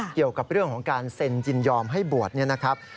เกี่ยวกับเรื่องของการเซ็นยินยอมให้บวชเนี่ยนะครับ